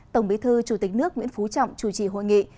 tổng bí thư chủ tịch nước nguyễn phú trọng chủ trì hội nghị